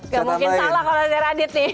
gak mungkin salah kalau radit nih